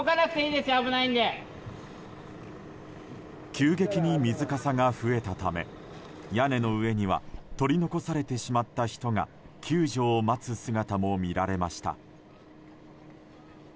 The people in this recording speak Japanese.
急激に水かさが増えたため屋根の上には取り残されてしまった人が救助を待つ姿も見られました。